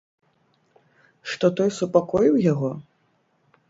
Што той супакоіў яго?